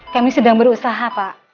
kami sedang berusaha